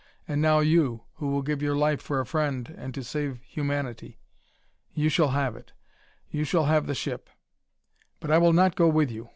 And now you, who will give your life for a friend and to save humanity!... You shall have it. You shall have the ship! But I will not go with you.